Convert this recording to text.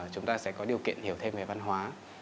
chúng ta sẽ có điều kiện hiểu thêm về văn hóa